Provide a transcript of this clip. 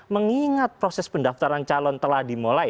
mengingat proses pendaftaran calon telah dimulai